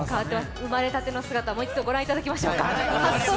生まれたての姿、もう一度ご覧いただきましょうか。